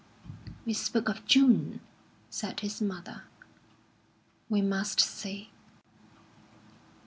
"We spoke of June," said his mother. "We must see."